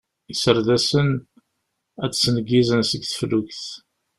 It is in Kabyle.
Iserdasen a d-nettneggizen seg teflukt.